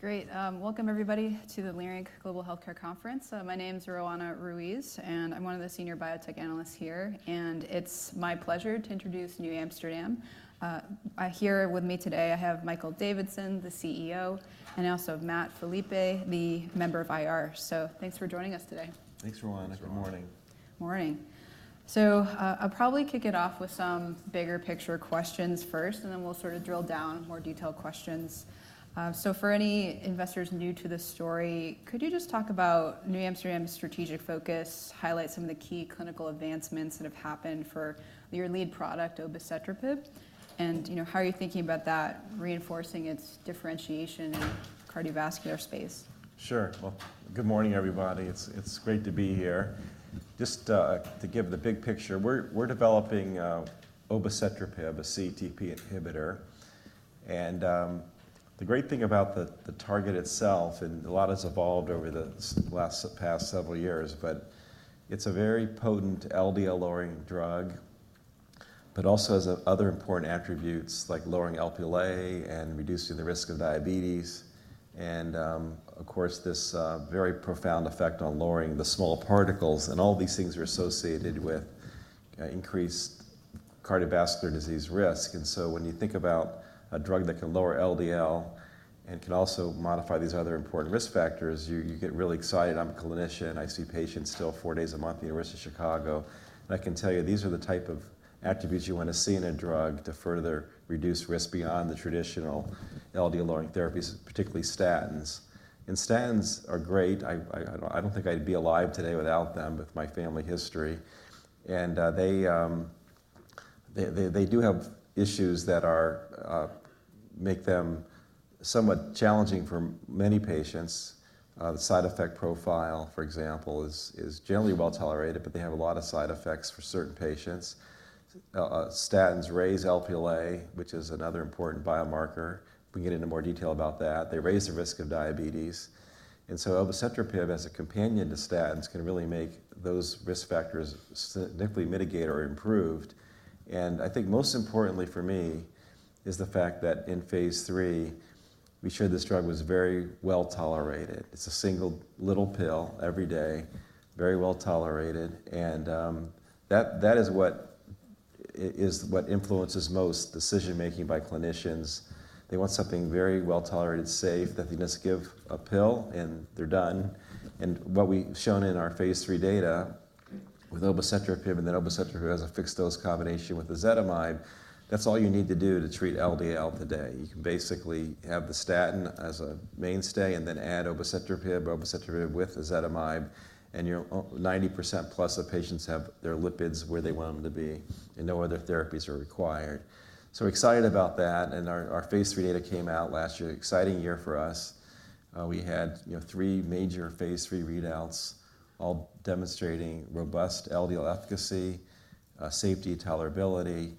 Great. Welcome, everybody, to the Leerink Global Healthcare Conference. My name's Roanna Ruiz, and I'm one of the senior biotech analysts here. It's my pleasure to introduce NewAmsterdam. Here with me today, I have Michael Davidson, the CEO, and also Matt Philippe, the member of IR. Thanks for joining us today. Thanks, Roanna. Good morning. Good morning. I'll probably kick it off with some bigger picture questions first, and then we'll sort of drill down to more detailed questions. For any investors new to the story, could you just talk about NewAmsterdam's strategic focus, highlight some of the key clinical advancements that have happened for your lead product, obicetrapib, and how are you thinking about that reinforcing its differentiation in the cardiovascular space? Sure. Good morning, everybody. It's great to be here. Just to give the big picture, we're developing obicetrapib, a CETP inhibitor. The great thing about the target itself, and a lot has evolved over the past several years, is it's a very potent LDL-lowering drug, but also has other important attributes like lowering Lp(a) and reducing the risk of diabetes. Of course, this very profound effect on lowering the small particles, all these things are associated with increased cardiovascular disease risk. When you think about a drug that can lower LDL and can also modify these other important risk factors, you get really excited. I'm a clinician. I see patients still four days a month at the University of Chicago. I can tell you these are the type of attributes you want to see in a drug to further reduce risk beyond the traditional LDL-lowering therapies, particularly statins. Statins are great. I don't think I'd be alive today without them with my family history. They do have issues that make them somewhat challenging for many patients. The side effect profile, for example, is generally well tolerated, but they have a lot of side effects for certain patients. Statins raise Lp(a), which is another important biomarker. We can get into more detail about that. They raise the risk of diabetes. Obicetrapib, as a companion to statins, can really make those risk factors significantly mitigated or improved. I think most importantly for me is the fact that in phase III, we showed this drug was very well tolerated. It's a single little pill every day, very well tolerated. That is what influences most decision-making by clinicians. They want something very well tolerated, safe, that they just give a pill and they're done. What we've shown in our phase III data with obicetrapib and then obicetrapib as a fixed dose combination with ezetimibe, that's all you need to do to treat LDL today. You can basically have the statin as a mainstay and then add obicetrapib, obicetrapib with ezetimibe, and 90%+ of patients have their lipids where they want them to be, and no other therapies are required. We're excited about that. Our phase III data came out last year. Exciting year for us. We had three major phase III readouts all demonstrating robust LDL efficacy, safety, tolerability.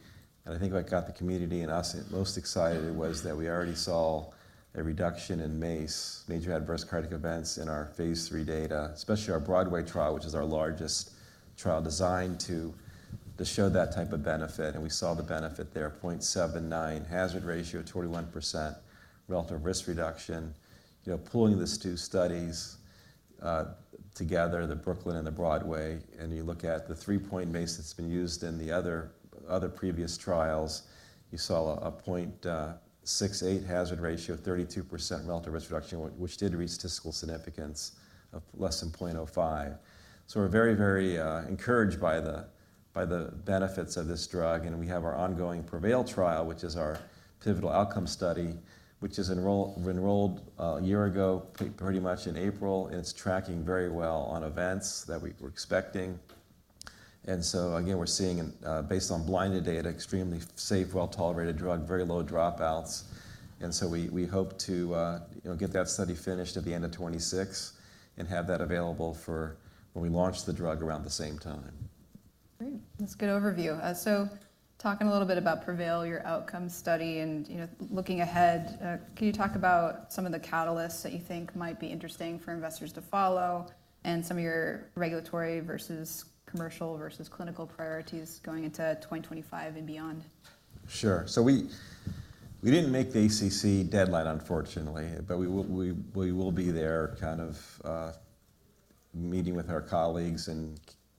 I think what got the community and us most excited was that we already saw a reduction in MACE, major adverse cardiac events, in our phase III data, especially our Broadway trial, which is our largest trial designed to show that type of benefit. We saw the benefit there, 0.79 hazard ratio, 21% relative risk reduction. Pulling these two studies together, the Brooklyn and the Broadway, and you look at the three-point MACE that's been used in the other previous trials, you saw a 0.68 hazard ratio, 32% relative risk reduction, which did reach statistical significance of less than 0.05. We are very, very encouraged by the benefits of this drug. We have our ongoing PREVAIL trial, which is our pivotal outcome study, which was enrolled a year ago, pretty much in April, and it's tracking very well on events that we were expecting. We are seeing, based on blinded data, extremely safe, well-tolerated drug, very low dropouts. We hope to get that study finished at the end of 2026 and have that available for when we launch the drug around the same time. Great. That's a good overview. Talking a little bit about PREVAIL, your outcome study, and looking ahead, can you talk about some of the catalysts that you think might be interesting for investors to follow and some of your regulatory versus commercial versus clinical priorities going into 2025 and beyond? Sure. We didn't make the ACC deadline, unfortunately, but we will be there kind of meeting with our colleagues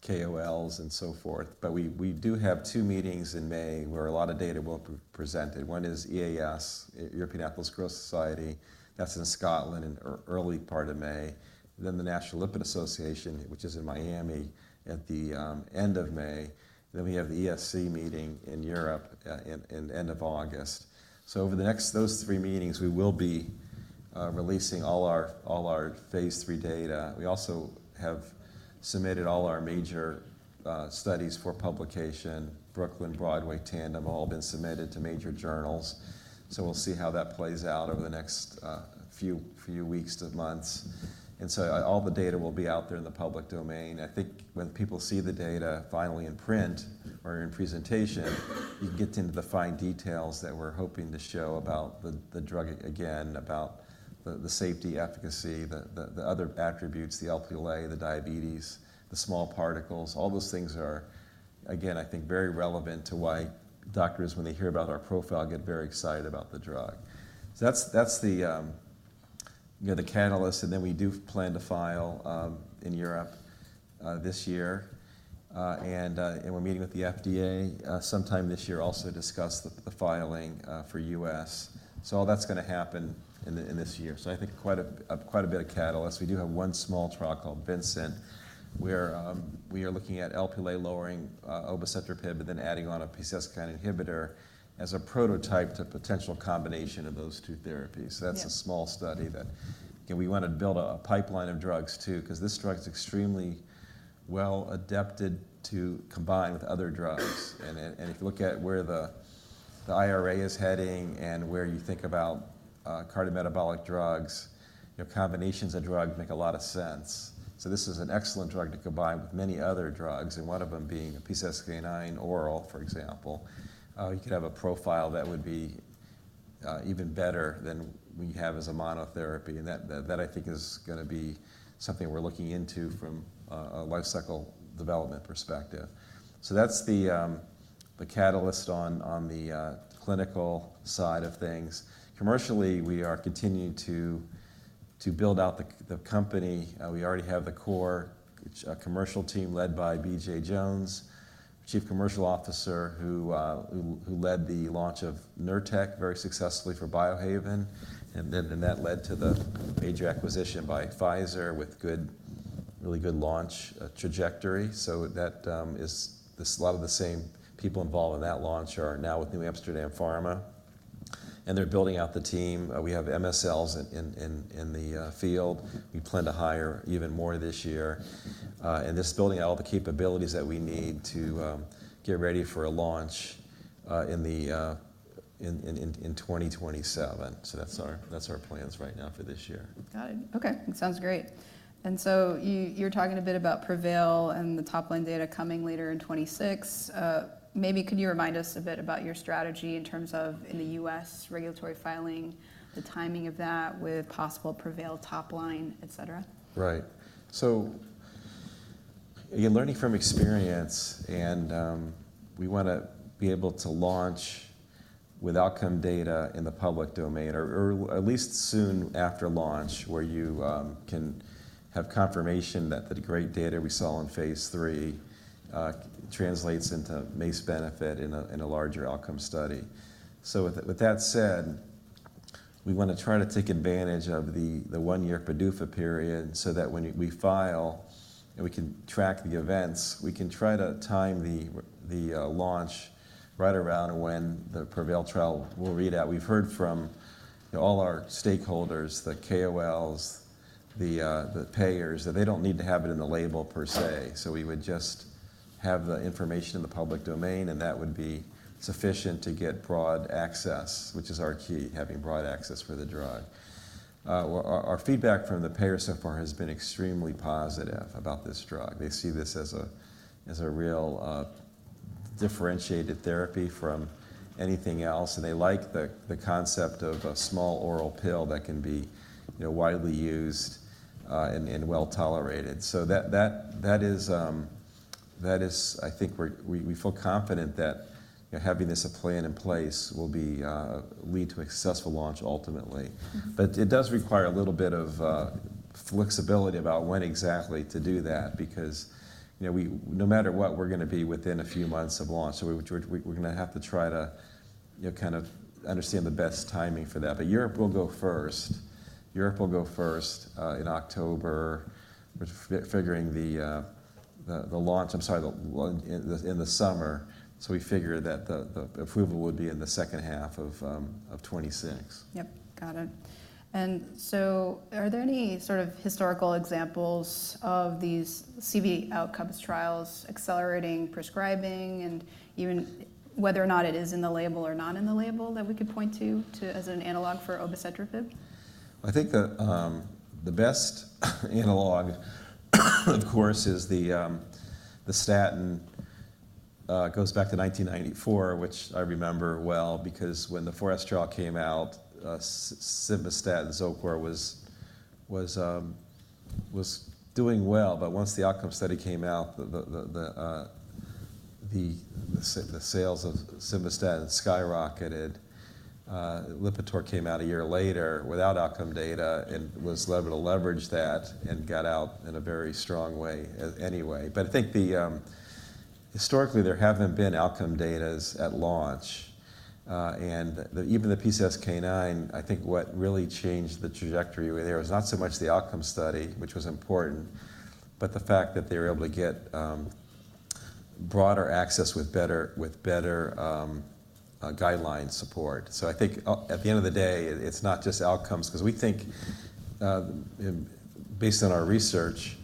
and KOLs and so forth. We do have two meetings in May where a lot of data will be presented. One is EAS, European Atherosclerosis Society. That's in Scotland in the early part of May. The National Lipid Association, which is in Miami at the end of May. We have the ESC meeting in Europe in the end of August. Over those three meetings, we will be releasing all our phase III data. We also have submitted all our major studies for publication, Brooklyn, Broadway, Tandem, all have been submitted to major journals. We'll see how that plays out over the next few weeks to months. All the data will be out there in the public domain. I think when people see the data finally in print or in presentation, you can get into the fine details that we're hoping to show about the drug again, about the safety, efficacy, the other attributes, the Lp(a), the diabetes, the small particles. All those things are, again, I think, very relevant to why doctors, when they hear about our profile, get very excited about the drug. That is the catalyst. We do plan to file in Europe this year. We are meeting with the FDA sometime this year also to discuss the filing for the U.S. All that is going to happen in this year. I think quite a bit of catalysts. We do have one small trial called Vincent, where we are looking at Lp(a) lowering obicetrapib, but then adding on a CETP inhibitor as a prototype to a potential combination of those two therapies. That's a small study that we want to build a pipeline of drugs too, because this drug is extremely well adepted to combine with other drugs. If you look at where the IRA is heading and where you think about cardiometabolic drugs, combinations of drugs make a lot of sense. This is an excellent drug to combine with many other drugs, and one of them being a PCSK9 oral, for example. You could have a profile that would be even better than we have as a monotherapy. That, I think, is going to be something we're looking into from a life cycle development perspective. That's the catalyst on the clinical side of things. Commercially, we are continuing to build out the company. We already have the core commercial team led by BJ Jones, Chief Commercial Officer, who led the launch of Nurtec very successfully for Biohaven. That led to the major acquisition by Pfizer with really good launch trajectory. A lot of the same people involved in that launch are now with NewAmsterdam Pharma, and they're building out the team. We have MSLs in the field. We plan to hire even more this year. This is building out all the capabilities that we need to get ready for a launch in 2027. That's our plans right now for this year. Got it. Okay. Sounds great. You were talking a bit about PREVAIL and the top-line data coming later in 2026. Maybe could you remind us a bit about your strategy in terms of in the U.S. regulatory filing, the timing of that with possible PREVAIL top line, et cetera? Right. Again, learning from experience, and we want to be able to launch with outcome data in the public domain, or at least soon after launch, where you can have confirmation that the great data we saw in phase III translates into MACE benefit in a larger outcome study. With that said, we want to try to take advantage of the one-year PDUFA period so that when we file and we can track the events, we can try to time the launch right around when the PREVAIL trial will read out. We have heard from all our stakeholders, the KOLs, the payers, that they do not need to have it in the label per se. We would just have the information in the public domain, and that would be sufficient to get broad access, which is our key, having broad access for the drug. Our feedback from the payers so far has been extremely positive about this drug. They see this as a real differentiated therapy from anything else. They like the concept of a small oral pill that can be widely used and well tolerated. That is, I think, we feel confident that having this plan in place will lead to a successful launch ultimately. It does require a little bit of flexibility about when exactly to do that, because no matter what, we're going to be within a few months of launch. We're going to have to try to kind of understand the best timing for that. Europe will go first. Europe will go first in October figuring the launch, I'm sorry, in the summer. We figure that the approval would be in the second half of 2026. Got it. Are there any sort of historical examples of these CV outcomes trials accelerating prescribing and even whether or not it is in the label or not in the label that we could point to as an analog for obicetrapib? I think the best analog, of course, is the statin. It goes back to 1994, which I remember well, because when the 4S trial came out, simvastatin and Zocor was doing well. Once the outcome study came out, the sales of simvastatin skyrocketed. Lipitor came out a year later without outcome data and was able to leverage that and got out in a very strong way anyway. I think historically, there have not been outcome data at launch. Even the PCSK9, I think what really changed the trajectory there was not so much the outcome study, which was important, but the fact that they were able to get broader access with better guideline support. I think at the end of the day, it is not just outcomes, because we think based on our research,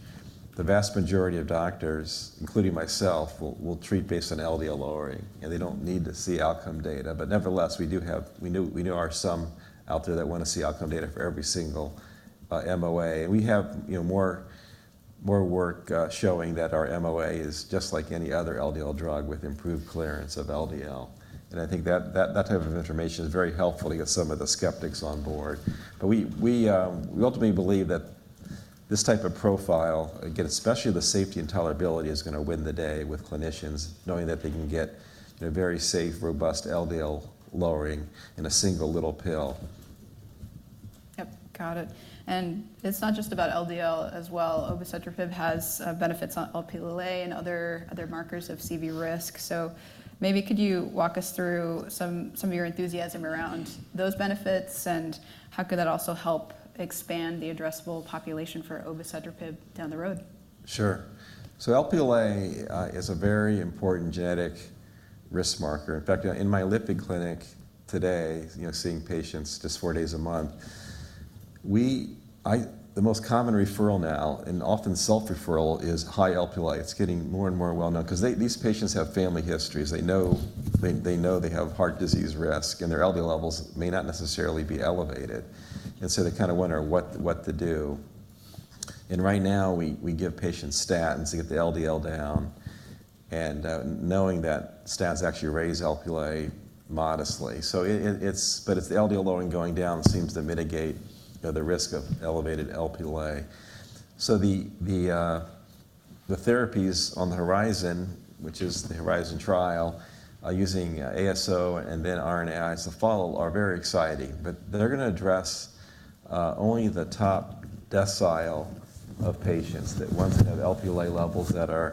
the vast majority of doctors, including myself, will treat based on LDL lowering. They don't need to see outcome data. Nevertheless, we do have, we knew, are some out there that want to see outcome data for every single MOA. We have more work showing that our MOA is just like any other LDL drug with improved clearance of LDL. I think that type of information is very helpful to get some of the skeptics on board. We ultimately believe that this type of profile, again, especially the safety and tolerability, is going to win the day with clinicians knowing that they can get very safe, robust LDL lowering in a single little pill. Yep. Got it. It's not just about LDL as well. Obicetrapib has benefits on Lp(a) and other markers of CV risk. Maybe could you walk us through some of your enthusiasm around those benefits and how could that also help expand the addressable population for obicetrapib down the road? Sure. Lp(a) is a very important genetic risk marker. In fact, in my lipid clinic today, seeing patients just four days a month, the most common referral now, and often self-referral, is high Lp(a). It's getting more and more well known, because these patients have family histories. They know they have heart disease risk, and their LDL levels may not necessarily be elevated. They kind of wonder what to do. Right now, we give patients statins to get the LDL down, knowing that statins actually raise Lp(a) modestly. The LDL lowering going down seems to mitigate the risk of elevated Lp(a). The therapies on the horizon, which is the Horizon trial, using ASO and then RNAi as the follow, are very exciting. They are going to address only the top decile of patients, the ones that have Lp(a) levels that are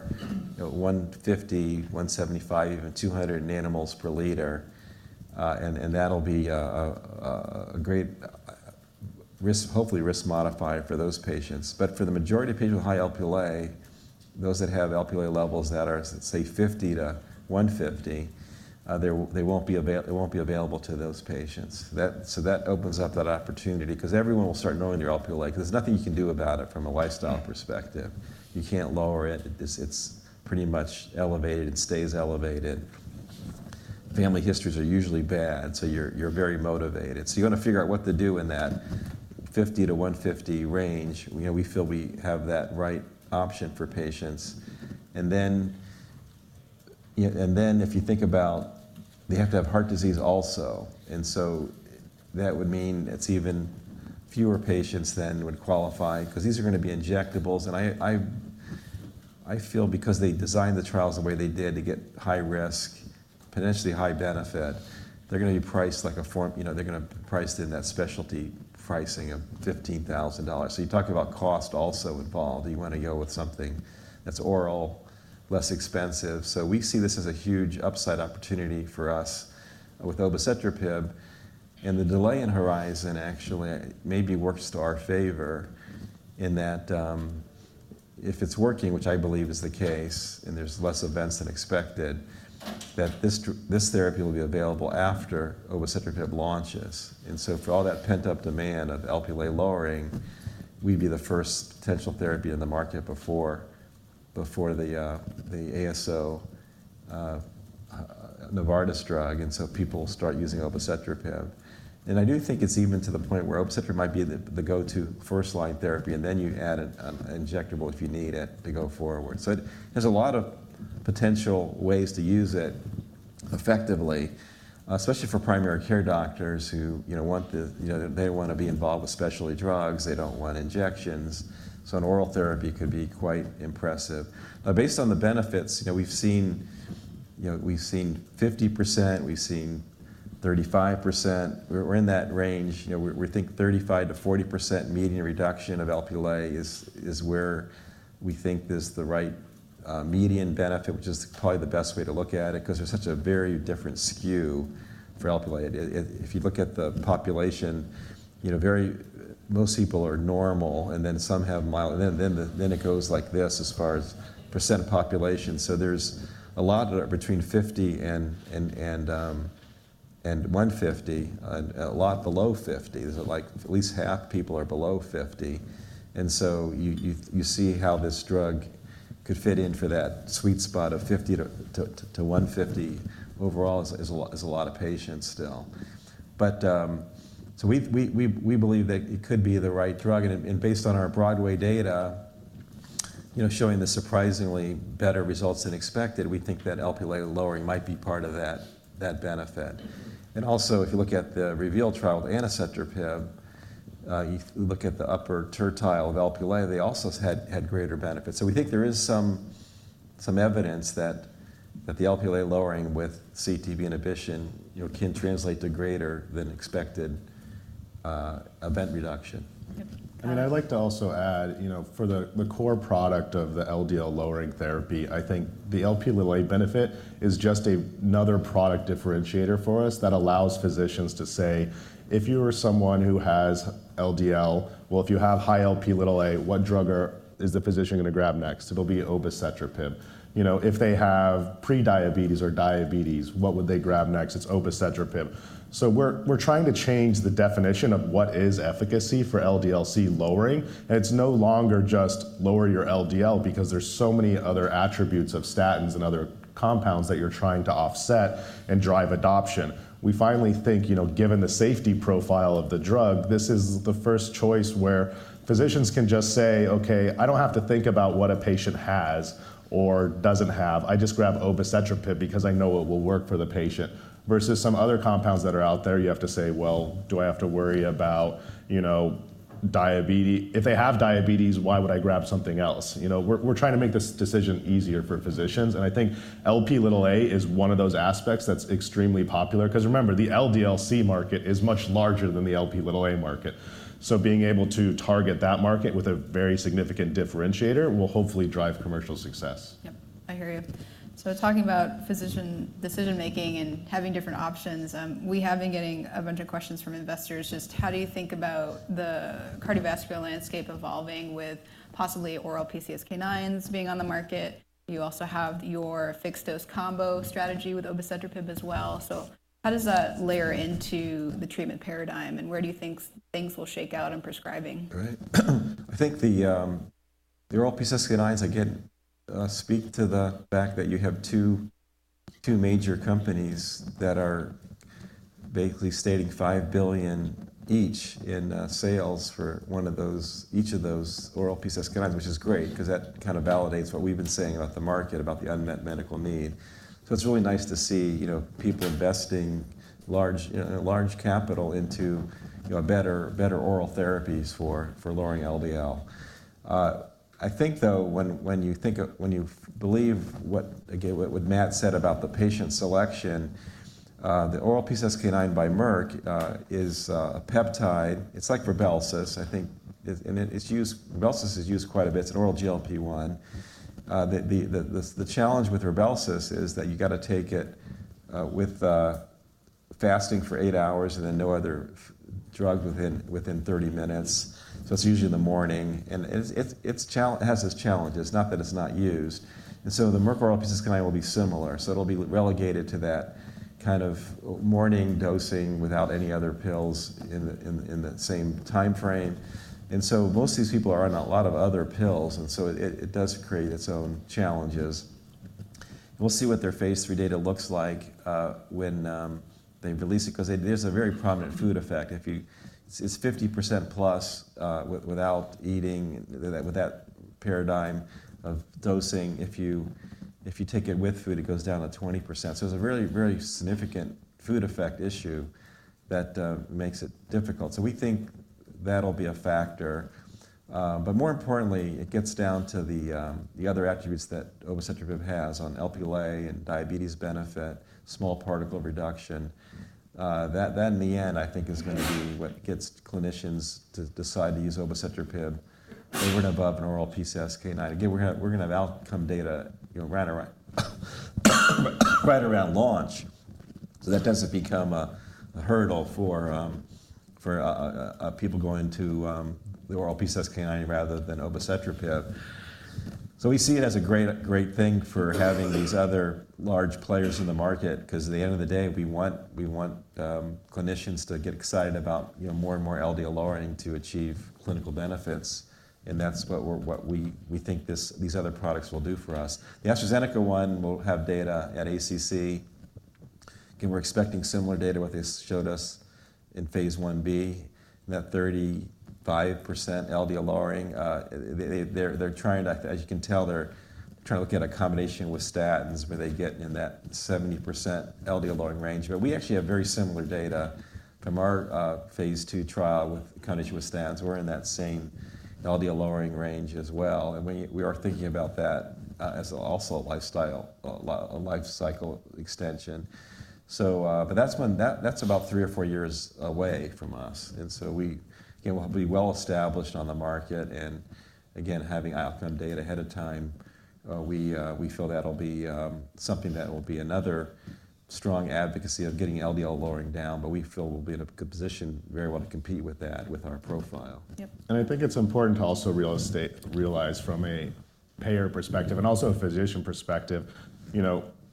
150, 175, even 200 nmol per liter. That will be a great, hopefully, risk modifier for those patients. For the majority of patients with high Lp(a), those that have Lp(a) levels that are, say, 50-150, they will not be available to those patients. That opens up that opportunity, because everyone will start knowing their Lp(a), because there is nothing you can do about it from a lifestyle perspective. You cannot lower it. It is pretty much elevated. It stays elevated. Family histories are usually bad, so you are very motivated. You want to figure out what to do in that 50-150 range. We feel we have that right option for patients. If you think about it, they have to have heart disease also. That would mean it's even fewer patients than would qualify, because these are going to be injectables. I feel because they designed the trials the way they did to get high risk, potentially high benefit, they're going to be priced like a form, they're going to be priced in that specialty pricing of $15,000. You talk about cost also involved. You want to go with something that's oral, less expensive. We see this as a huge upside opportunity for us with obicetrapib. The delay in Horizon actually maybe works to our favor in that if it's working, which I believe is the case, and there's less events than expected, this therapy will be available after obicetrapib launches. For all that pent-up demand of Lp(a) lowering, we'd be the first potential therapy in the market before the ASO Novartis drug, and people will start using obicetrapib. I do think it's even to the point where obicetrapib might be the go-to first-line therapy, and then you add an injectable if you need it to go forward. There are a lot of potential ways to use it effectively, especially for primary care doctors who want to—they don't want to be involved with specialty drugs. They don't want injections. An oral therapy could be quite impressive. Based on the benefits, we've seen 50%. We've seen 35%. We're in that range. We think 35%-40% median reduction of Lp(a) is where we think is the right median benefit, which is probably the best way to look at it, because there's such a very different skew for Lp(a). If you look at the population, most people are normal, and then some have mild, and then it goes like this as far as percent of population. There's a lot of between 50 and 150, a lot below 50. At least half people are below 50. You see how this drug could fit in for that sweet spot of 50-150 overall, which is a lot of patients still. We believe that it could be the right drug. Based on our BROADWAY data showing the surprisingly better results than expected, we think that Lp(a) lowering might be part of that benefit. If you look at the REVEAL trial with anacetrapib, you look at the upper tertile of Lp(a), they also had greater benefits. We think there is some evidence that the Lp(a) lowering with CETP inhibition can translate to greater than expected event reduction. Yep. I mean, I'd like to also add for the core product of the LDL lowering therapy, I think the Lp(a) benefit is just another product differentiator for us that allows physicians to say, if you are someone who has LDL, well, if you have high Lp(a), what drug is the physician going to grab next? It'll be obicetrapib. If they have prediabetes or diabetes, what would they grab next? It's obicetrapib. We're trying to change the definition of what is efficacy for LDL-C lowering. It's no longer just lower your LDL, because there are so many other attributes of statins and other compounds that you're trying to offset and drive adoption. We finally think, given the safety profile of the drug, this is the first choice where physicians can just say, okay, I don't have to think about what a patient has or doesn't have. I just grab obicetrapib because I know it will work for the patient, versus some other compounds that are out there. You have to say, well, do I have to worry about diabetes? If they have diabetes, why would I grab something else? We're trying to make this decision easier for physicians. I think Lp(a) is one of those aspects that's extremely popular, because remember, the LDL-C market is much larger than the Lp(a) market. Being able to target that market with a very significant differentiator will hopefully drive commercial success. Yep. I hear you. Talking about physician decision-making and having different options, we have been getting a bunch of questions from investors, just how do you think about the cardiovascular landscape evolving with possibly oral PCSK9s being on the market? You also have your fixed-dose combo strategy with obicetrapib as well. How does that layer into the treatment paradigm, and where do you think things will shake out in prescribing? Right. I think the oral PCSK9s, again, speak to the fact that you have two major companies that are basically stating $5 billion each in sales for one of those, each of those oral PCSK9s, which is great, because that kind of validates what we've been saying about the market, about the unmet medical need. It is really nice to see people investing large capital into better oral therapies for lowering LDL. I think, though, when you believe what Matt said about the patient selection, the oral PCSK9 by Merck is a peptide. It is like Rybelsus, I think. And Rybelsus is used quite a bit. It is an oral GLP-1. The challenge with Rybelsus is that you have to take it with fasting for eight hours and then no other drug within 30 minutes. It is usually in the morning. It has its challenges. It is not that it is not used. The Merck oral PCSK9 will be similar. It will be relegated to that kind of morning dosing without any other pills in the same time frame. Most of these people are on a lot of other pills. It does create its own challenges. We will see what their phase III data looks like when they release it, because there is a very prominent food effect. It is 50%+ without eating, with that paradigm of dosing. If you take it with food, it goes down to 20%. It is a very, very significant food effect issue that makes it difficult. We think that will be a factor. More importantly, it gets down to the other attributes that obicetrapib has on Lp(a) and diabetes benefit, small particle reduction. That, in the end, I think, is going to be what gets clinicians to decide to use obicetrapib over and above an oral PCSK9. Again, we're going to have outcome data right around launch. That does not become a hurdle for people going to the oral PCSK9 rather than obicetrapib. We see it as a great thing for having these other large players in the market, because at the end of the day, we want clinicians to get excited about more and more LDL lowering to achieve clinical benefits. That is what we think these other products will do for us. The AstraZeneca one will have data at ACC. Again, we're expecting similar data with what they showed us in phase 1b, that 35% LDL lowering. They're trying to, as you can tell, they're trying to look at a combination with statins where they get in that 70% LDL lowering range. We actually have very similar data from our phase two trial with a combination with statins. We're in that same LDL lowering range as well. We are thinking about that as also a lifecycle extension. That's about three or four years away from us. We will be well established on the market. Again, having outcome data ahead of time, we feel that'll be something that will be another strong advocacy of getting LDL lowering down. We feel we'll be in a good position, very well to compete with that with our profile. Yep. I think it's important to also realize from a payer perspective and also a physician perspective,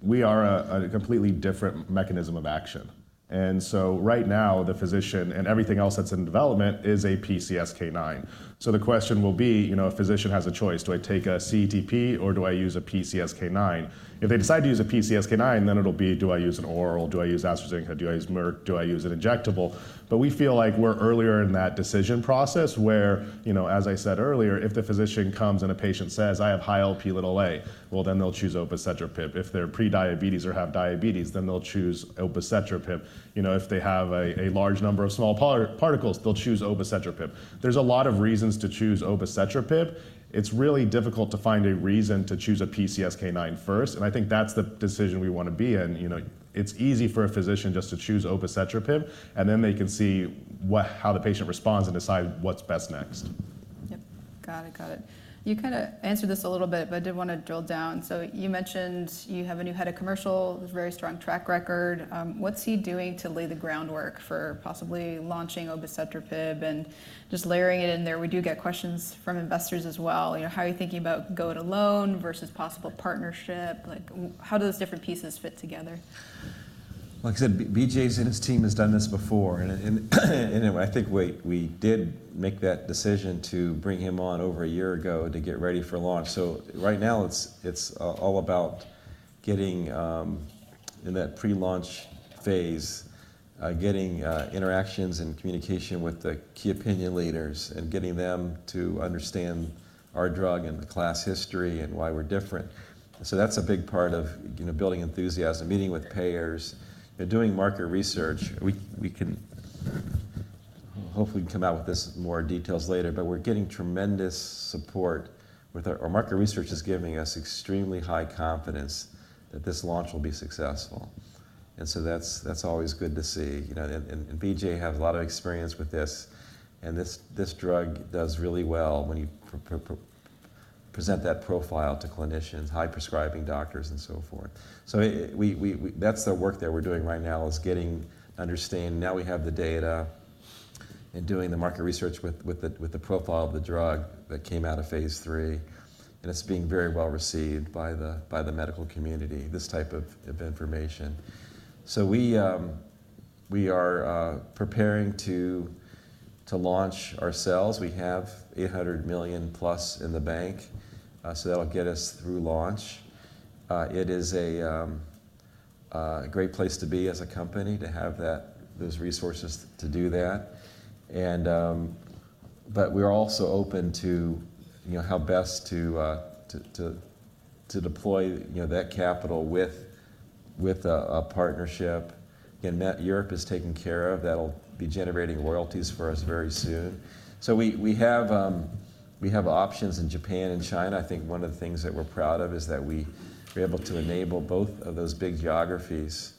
we are a completely different mechanism of action. Right now, the physician and everything else that's in development is a PCSK9. The question will be, a physician has a choice. Do I take a CETP or do I use a PCSK9? If they decide to use a PCSK9, then it'll be, do I use an oral? Do I use AstraZeneca? Do I use Merck? Do I use an injectable? We feel like we're earlier in that decision process where, as I said earlier, if the physician comes and a patient says, I have high Lp(a), they'll choose obicetrapib. If they're prediabetes or have diabetes, they'll choose obicetrapib. If they have a large number of small particles, they'll choose obicetrapib. There's a lot of reasons to choose obicetrapib. It's really difficult to find a reason to choose a PCSK9 first. I think that's the decision we want to be in. It's easy for a physician just to choose obicetrapib, and then they can see how the patient responds and decide what's best next. Yep. Got it. Got it. You kind of answered this a little bit, but I did want to drill down. You mentioned you have a new head of commercial, very strong track record. What's he doing to lay the groundwork for possibly launching obicetrapib and just layering it in there? We do get questions from investors as well. How are you thinking about going alone versus possible partnership? How do those different pieces fit together? Like I said, BJ and his team have done this before. I think we did make that decision to bring him on over a year ago to get ready for launch. Right now, it's all about getting in that pre-launch phase, getting interactions and communication with the key opinion leaders and getting them to understand our drug and the class history and why we're different. That's a big part of building enthusiasm, meeting with payers, doing market research. Hopefully, we can come out with this in more details later. We're getting tremendous support with our market research is giving us extremely high confidence that this launch will be successful. That's always good to see. BJ has a lot of experience with this. This drug does really well when you present that profile to clinicians, high prescribing doctors, and so forth. That's the work that we're doing right now is getting to understand. Now we have the data and doing the market research with the profile of the drug that came out of phase III. It's being very well received by the medical community, this type of information. We are preparing to launch ourselves. We have $800+ million in the bank. That'll get us through launch. It is a great place to be as a company to have those resources to do that. We're also open to how best to deploy that capital with a partnership. Again, Matt, Europe is taking care of. That'll be generating royalties for us very soon. We have options in Japan and China. I think one of the things that we're proud of is that we're able to enable both of those big geographies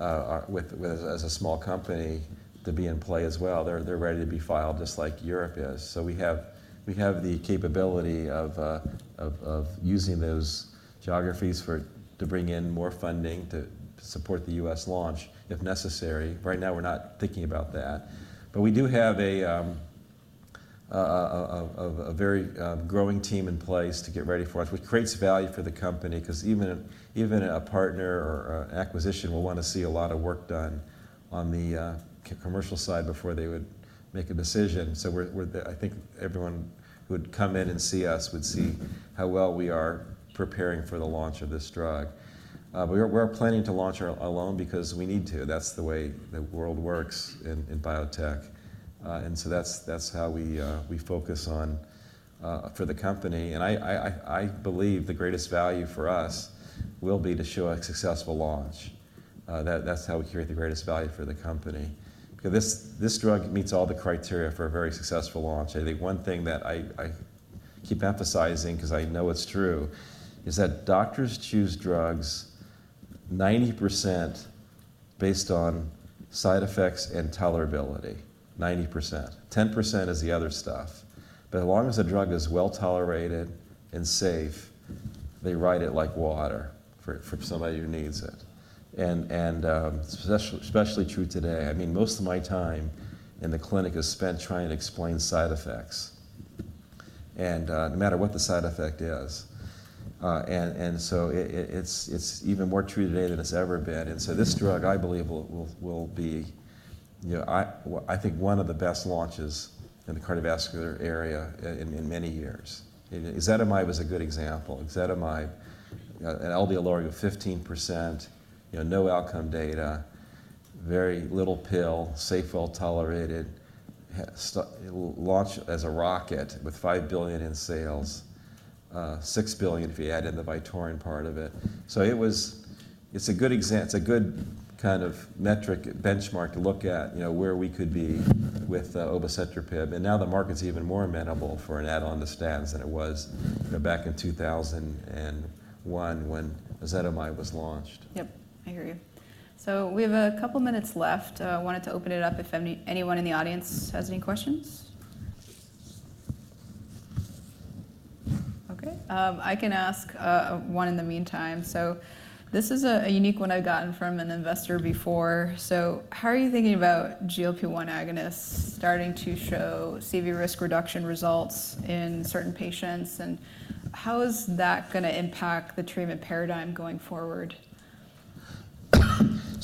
as a small company to be in play as well. They're ready to be filed just like Europe is. We have the capability of using those geographies to bring in more funding to support the U.S. launch if necessary. Right now, we're not thinking about that. We do have a very growing team in place to get ready for us, which creates value for the company, because even a partner or an acquisition will want to see a lot of work done on the commercial side before they would make a decision. I think everyone who would come in and see us would see how well we are preparing for the launch of this drug. We are planning to launch our alone because we need to. That's the way the world works in biotech. That's how we focus on for the company. I believe the greatest value for us will be to show a successful launch. That's how we create the greatest value for the company. Because this drug meets all the criteria for a very successful launch. I think one thing that I keep emphasizing, because I know it's true, is that doctors choose drugs 90% based on side effects and tolerability, 90%. 10% is the other stuff. As long as the drug is well tolerated and safe, they ride it like water for somebody who needs it. Especially true today. I mean, most of my time in the clinic is spent trying to explain side effects, no matter what the side effect is. It's even more true today than it's ever been. This drug, I believe, will be, I think, one of the best launches in the cardiovascular area in many years. Ezetimibe was a good example. Ezetimibe, an LDL lowering of 15%, no outcome data, very little pill, safe, well tolerated, launched as a rocket with $5 billion in sales, $6 billion if you add in the Vytorin part of it. It is a good kind of metric benchmark to look at where we could be with obicetrapib. Now the market's even more amenable for an add-on to statins than it was back in 2001 when ezetimibe was launched. Yep. I hear you. We have a couple of minutes left. I wanted to open it up if anyone in the audience has any questions. Okay. I can ask one in the meantime. This is a unique one I've gotten from an investor before. How are you thinking about GLP-1 agonists starting to show CV risk reduction results in certain patients? How is that going to impact the treatment paradigm going forward?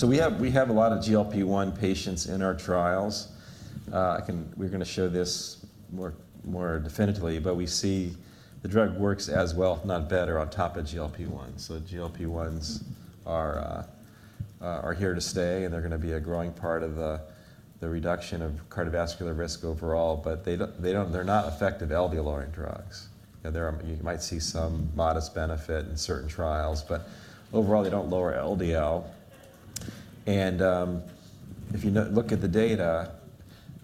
We have a lot of GLP-1 patients in our trials. We're going to show this more definitively. We see the drug works as well, if not better, on top of GLP-1. GLP-1s are here to stay, and they're going to be a growing part of the reduction of cardiovascular risk overall. They're not effective LDL lowering drugs. You might see some modest benefit in certain trials. Overall, they don't lower LDL. If you look at the data,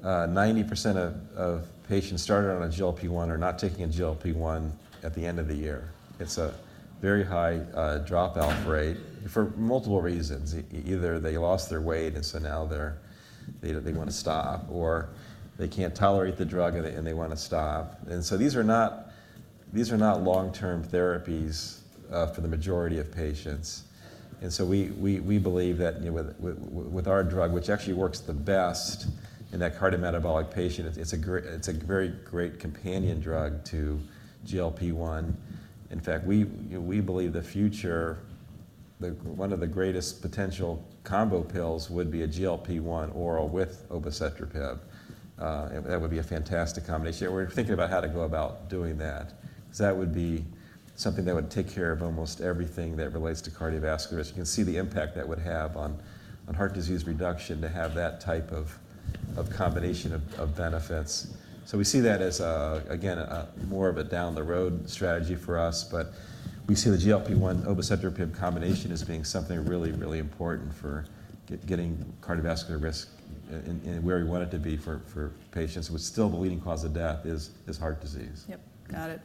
90% of patients started on a GLP-1 are not taking a GLP-1 at the end of the year. It's a very high dropout rate for multiple reasons. Either they lost their weight, and now they want to stop, or they can't tolerate the drug, and they want to stop. These are not long-term therapies for the majority of patients. We believe that with our drug, which actually works the best in that cardiometabolic patient, it's a very great companion drug to GLP-1. In fact, we believe the future, one of the greatest potential combo pills would be a GLP-1 oral with obicetrapib. That would be a fantastic combination. We're thinking about how to go about doing that, because that would be something that would take care of almost everything that relates to cardiovascular risk. You can see the impact that would have on heart disease reduction to have that type of combination of benefits. We see that as, again, more of a down-the-road strategy for us. We see the GLP-1-obicetrapib combination as being something really, really important for getting cardiovascular risk where we want it to be for patients, which still the leading cause of death is heart disease. Yep. Got it.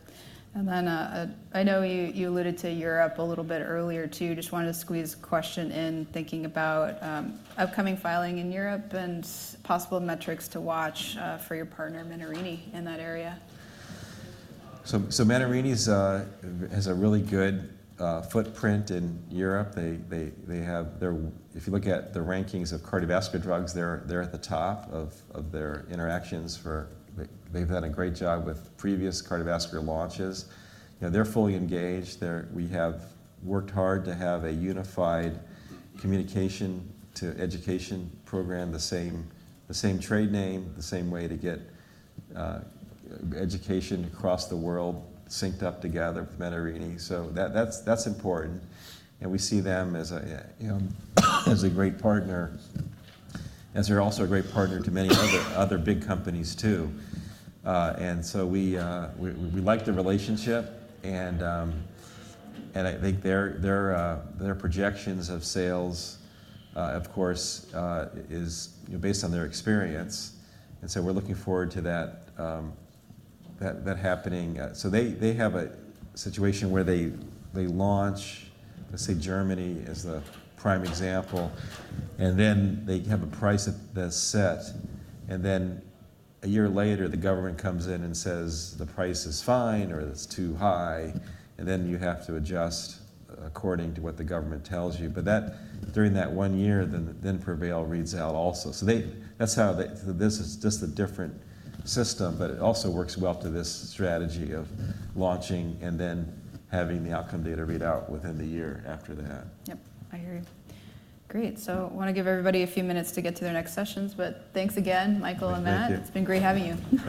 I know you alluded to Europe a little bit earlier too. Just wanted to squeeze a question in thinking about upcoming filing in Europe and possible metrics to watch for your partner, Menarini, in that area. Menarini has a really good footprint in Europe. If you look at the rankings of cardiovascular drugs, they're at the top of their interactions. They've done a great job with previous cardiovascular launches. They're fully engaged. We have worked hard to have a unified communication to education program, the same trade name, the same way to get education across the world synced up together with Menarini. That's important. We see them as a great partner, as they're also a great partner to many other big companies too. We like the relationship. I think their projections of sales, of course, is based on their experience. We're looking forward to that happening. They have a situation where they launch, let's say, Germany as the prime example. Then they have a price that's set. A year later, the government comes in and says, "The price is fine," or, "It's too high." You have to adjust according to what the government tells you. During that one year, then PREVAIL reads out also. This is just a different system. It also works well to this strategy of launching and then having the outcome data read out within the year after that. Yep. I hear you. Great. I want to give everybody a few minutes to get to their next sessions. Thanks again, Michael and Matt. Thank you. It's been great having you.